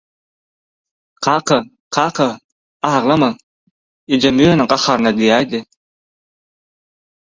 - Kaka, kaka... Aglama, ejem ýöne gaharyna diýäýdi.